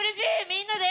みんなで。